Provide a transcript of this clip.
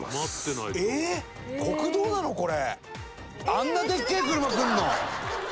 「あんなでっけえ車来るの？」